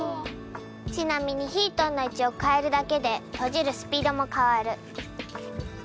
ちなみにヒートンの位置を変えるだけで閉じるｓｐｅｅｄも変わる。